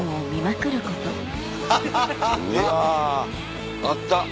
うわ。あった。